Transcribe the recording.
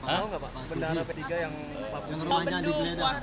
mau nggak pak